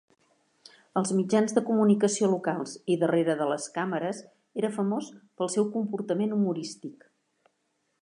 Als mitjans de comunicació locals i darrere de les càmeres era famós pel seu comportament humorístic.